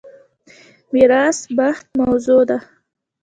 میراث بخت موضوع ده.